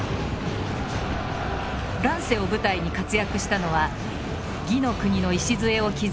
乱世を舞台に活躍したのは魏の国の礎を築いた曹操。